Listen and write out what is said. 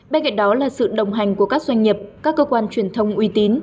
bên cạnh đó là sự đồng hành của các doanh nghiệp các cơ quan truyền thông uy tín